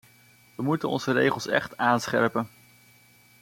We moeten onze regels echt aanscherpen.